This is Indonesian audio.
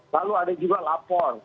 lalu ada juga lapor